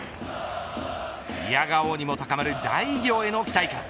いやがおうにも高まる大偉業への期待感。